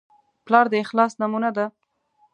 پلار د اخلاص نمونه ده.